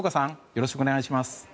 よろしくお願いします。